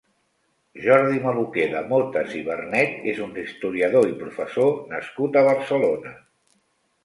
Jordi Maluquer de Motes i Bernet és un historiador i professor nascut a Barcelona.